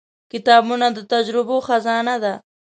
• کتابونه د تجربو خزانه ده.